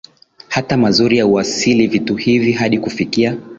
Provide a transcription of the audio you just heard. hata mazuri ya uasilia Vitu hivi hadi kufikia